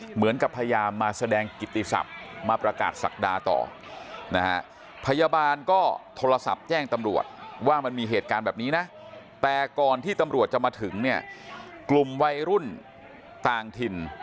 เหมือนกับพยายามมาแสดงกิติศัพท์มาประกาศศักดาต่อนะฮะพยาบาลก็โทรศัพท์แจ้งตำรวจว่ามันมีเหตุการณ์แบบนี้นะแต่ก่อนที่ตำรวจจะมาถึงเนี่ยกลุ่มวัยรุ่นต่างถิ่น